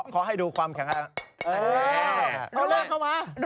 ขอให้ดูความแข็งอาหาร